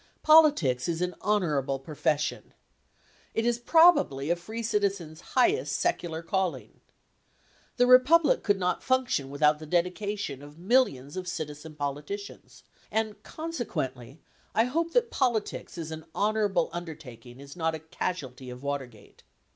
Politics is an honorable profession. It is probably a free citizen's highest secular calling. The Republic could not function without the dedication of mil lions of citizen politicians; and, consequently, I hope that politics as an honorable undertaking is not a casualty of Watergate.